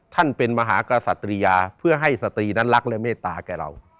ท่านเป็นมหากษัตริยาเพื่อให้สตรีนั้นรักและเมตตาแก่เรา